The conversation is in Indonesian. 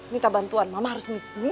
minta bantuan mama harus minta bantuan